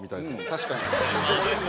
確かに。